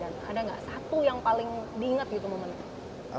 ada gak satu yang paling diingat gitu momennya